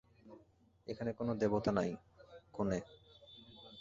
এখানে কোনো দেবতা নাই, কোনে।